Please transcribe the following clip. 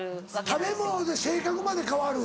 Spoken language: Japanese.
食べ物で性格まで変わる。